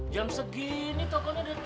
jam segini toko nya udah tiga